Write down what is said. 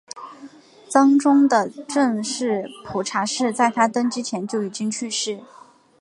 章宗的正室蒲察氏在他登基前就已经去世。